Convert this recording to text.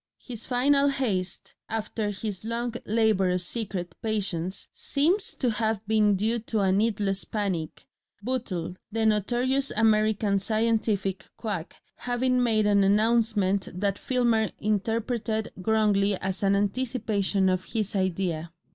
His final haste after his long laborious secret patience seems to have been due to a needless panic, Bootle, the notorious American scientific quack, having made an announcement that Filmer interpreted wrongly as an anticipation of his idea.